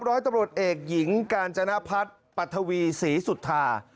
ร้อยตำรวจเอกหญิงกาญจนพัฒน์ปัทวีศรีสุธา